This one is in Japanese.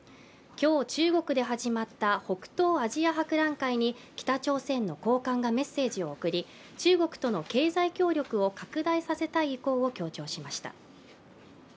今日、中国で始まった北東アジア博覧会に、北朝鮮の高官がメッセージを送り中国との経済協力を拡大させたい意向を強調しました。